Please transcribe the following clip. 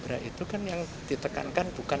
di dalam pas gibra itu kan yang ditekankan bukan kekuatan